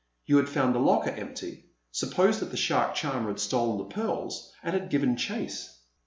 You had found the locker empty, supposed that the shark charmer had stolen the pearls, and had given chase."